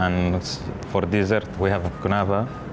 dan untuk dessert kita punya kunafa